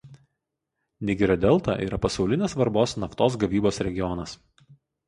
Nigerio delta yra pasaulinės svarbos naftos gavybos regionas.